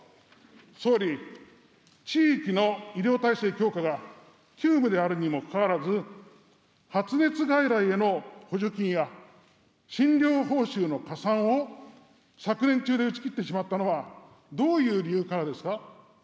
総理、地域の医療体制強化が急務であるにもかかわらず、発熱外来への補助金や診療報酬の加算を、昨年中で打ち切ってしまったのは、どういう理由からですか。